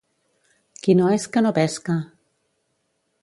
Qui no esca no pesca.